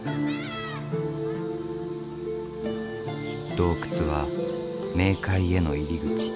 洞窟は冥界への入り口。